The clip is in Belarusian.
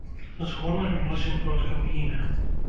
З гонарам носім продкаў імя.